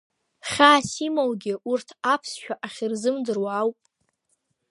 Хьаас имоугьы урҭ аԥсшәа ахьырзымдыруа ауп.